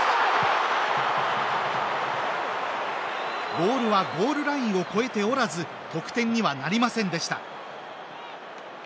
ボールはゴールラインを越えておらず得点にはなりませんでした。